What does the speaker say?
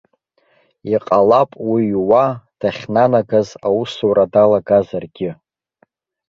Иҟалап уи уа, дахьнанагаз, аусура далагазаргьы.